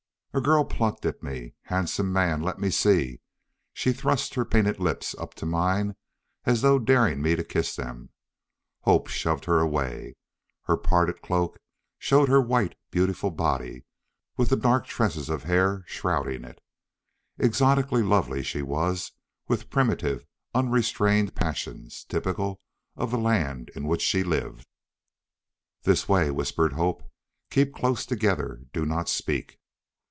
A girl plucked at me. "Handsome man, let me see." She thrust her painted lips up to mine as though daring me to kiss them. Hope shoved her away. Her parted cloak showed her white, beautiful body with the dark tresses of her hair shrouding it. Exotically lovely she was, with primitive, unrestrained passions typical of the land in which she lived. "This way," whispered Hope. "Keep close together. Do not speak!"